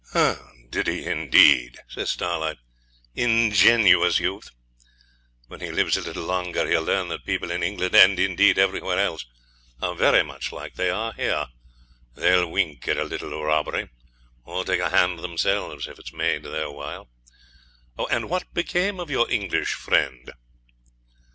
'Did he, indeed?' says Starlight. 'Ingenuous youth! When he lives a little longer he'll find that people in England, and, indeed, everywhere else, are very much like they are here. They'll wink at a little robbery, or take a hand themselves if it's made worth their while. And what became of your English friend?'